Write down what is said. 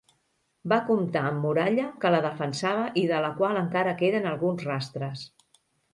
Va comptar amb muralla que la defensava i de la qual encara queden alguns rastres.